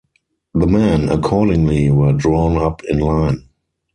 The men, accordingly, were drawn up in line.